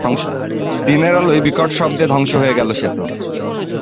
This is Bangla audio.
দিনের আলোয় বিকট শব্দে ধ্বংস হয়ে গেল সেতু।